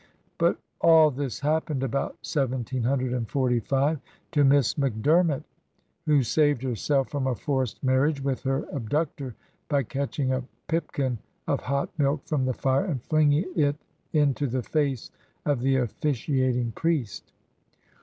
But all this happened about 1745 to Miss Macdermot, who saved herself from a forced mar riage with her abductor by catching a pipkin of hot milk from the fire and flinging it into the face of the officiating priest.